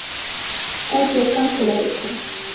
তাই চোখ কান খোলা রেখো।